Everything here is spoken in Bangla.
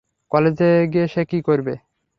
কলেজে গিয়ে সে কি করবে?